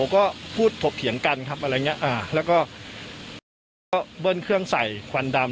ก็พูดถกเถียงกันครับอะไรอย่างเงี้อ่าแล้วก็เบิ้ลเครื่องใส่ควันดำ